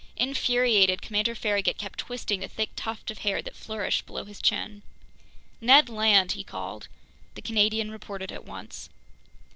Infuriated, Commander Farragut kept twisting the thick tuft of hair that flourished below his chin. "Ned Land!" he called. The Canadian reported at once.